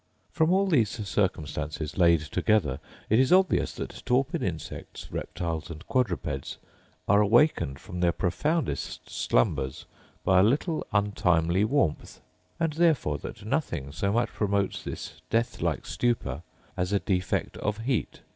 From all these circumstances laid together, it is obvious that torpid insects, reptiles, and quadrupeds, are awakened from their profoundest slumbers by a little untimely warmth; and therefore that nothing so much promotes this death like stupor as a defect of heat.